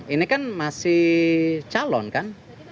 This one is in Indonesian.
ini kan masih calon kan